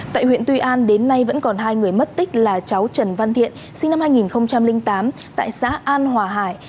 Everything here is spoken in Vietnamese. tại huyện tuy an đến nay vẫn còn hai người mất tích là cháu trần văn thiện sinh năm hai nghìn tám tại xã an hòa hải